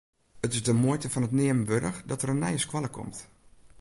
It is de muoite fan it neamen wurdich dat der in nije skoalle komt.